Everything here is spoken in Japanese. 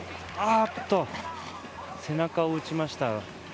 背中を打ちました。